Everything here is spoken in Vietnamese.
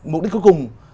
mục đích cuối cùng